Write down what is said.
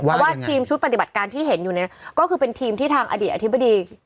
เพราะว่าทีมชุดปฏิบัติการที่เห็นอยู่เนี่ยก็คือเป็นทีมที่ทางอดีตอธิบดี